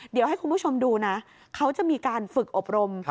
เดี๋ยวให้คุณผู้ชมดูนะเขาจะมีการฝึกอบรม